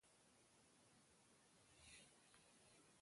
کھال ٹئم بل تیار با۔